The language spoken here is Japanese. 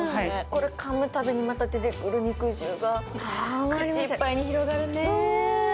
これ、かむたびに出てくる肉汁が口の中いっぱいに広がるね。